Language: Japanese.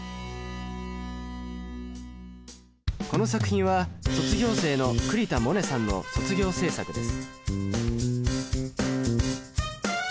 この作品は卒業生の栗田百嶺さんの卒業制作です。